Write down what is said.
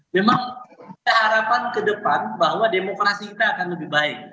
memang harapan ke depan bahwa demokrasi kita akan lebih baik